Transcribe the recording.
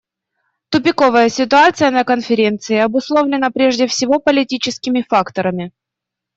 Тупиковая ситуация на Конференции обусловлена прежде всего политическими факторами.